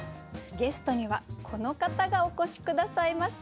ゲストにはこの方がお越し下さいました。